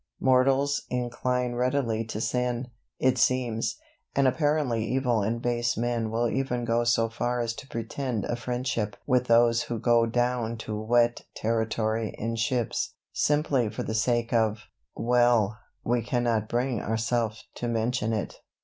Mortals incline readily to sin, it seems, and apparently evil and base men will even go so far as to pretend a friendship with those who go down to wet territory in ships, simply for the sake of well, we cannot bring ourself to mention it.